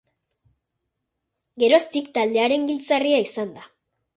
Geroztik taldearen giltzarria izan da.